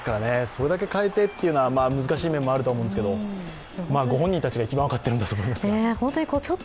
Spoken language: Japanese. それだけ代えてというのは難しい面もあると思うんですけど御本人たちが一番分かっているんだと思います。